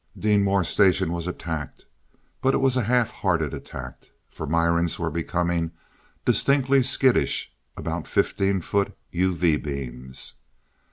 Deenmor station was attacked but it was a half hearted attack, for Mirans were becoming distinctly skittish about fifteen foot UV beams.